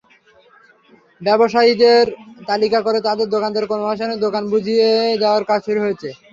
ব্যবসায়ীদের তালিকা করে তাঁদের দোকানের ক্রমানুসারে দোকান বুঝিয়ে দেওয়ার কাজ শুরু হয়েছে।